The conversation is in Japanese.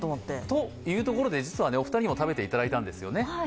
というところで、実はお二人にも食べていただいたんですよね。